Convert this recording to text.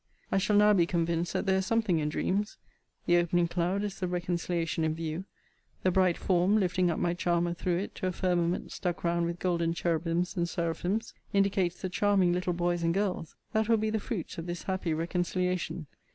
I shall now be convinced that there is something in dreams. The opening cloud is the reconciliation in view. The bright form, lifting up my charmer through it to a firmament stuck round with golden cherubims and seraphims, indicates the charming little boys and girls, that will be the fruits of this happy reconciliation.